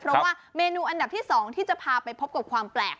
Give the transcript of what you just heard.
เพราะว่าเมนูอันดับที่๒ที่จะพาไปพบกับความแปลก